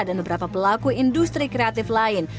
dan beberapa pelaku industri kreatif lain